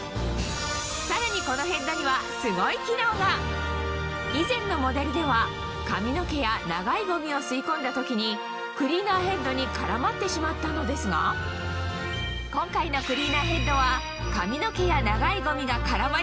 このヘッドには以前のモデルでは髪の毛や長いゴミを吸い込んだ時にクリーナーヘッドに絡まってしまったのですがその秘密は？